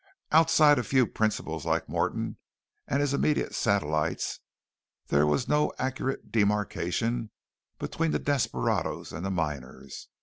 Outside a few principals like Morton and his immediate satellites, there was no accurate demarkation between the desperadoes and the miners.